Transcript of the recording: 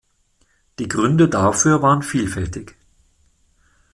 Die Gründe dafür waren vielfältig.